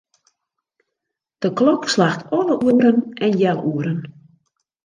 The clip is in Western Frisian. De klok slacht alle oeren en healoeren.